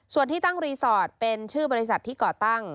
ส่วนที่ตั้งรีสอร์ทเป็นชื่อบริษัทที่ก่อตั้ง